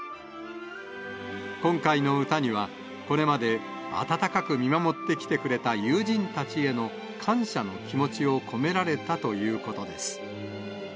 今回の歌には、これまで温かく見守ってきてくれた友人たちへの感謝の気持ちを込められたということです。